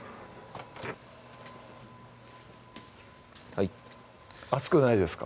はい熱くないですか？